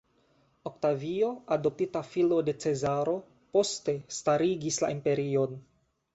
Oktavio, adoptita filo de Cezaro, poste starigis la imperion.